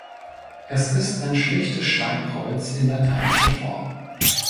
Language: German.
Es ist ein schlichtes Steinkreuz in lateinischer Form.